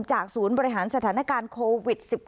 ศูนย์บริหารสถานการณ์โควิด๑๙